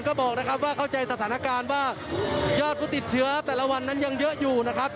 ก็บอกนะครับว่าเข้าใจสถานการณ์ว่ายอดผู้ติดเชื้อแต่ละวันนั้นยังเยอะอยู่นะครับ